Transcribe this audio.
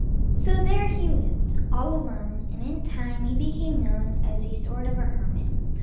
So there he lived all alone and in time he became known as a sort of a hermit.